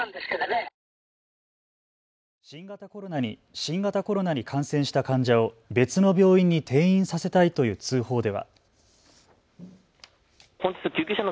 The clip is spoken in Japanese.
新型コロナに感染した患者を別の病院に転院させたいという通報では。